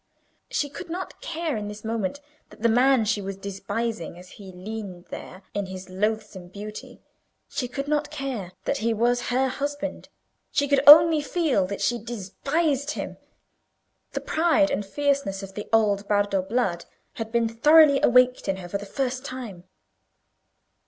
She could not care in this moment that the man she was despising as he leaned there in his loathsome beauty—she could not care that he was her husband; she could only feel that she despised him. The pride and fierceness of the old Bardo blood had been thoroughly awaked in her for the first time.